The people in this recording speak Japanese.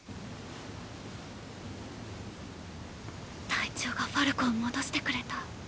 隊長がファルコを戻してくれた。